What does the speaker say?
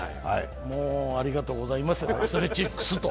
もうありがとうございます、アスレチックスと。